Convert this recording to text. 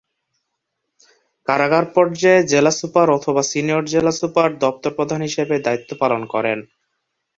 কারাগার পর্যায়ে jail super senior jail super দপ্তর প্রধান হিসেবে দায়িত্ব পালন করেন।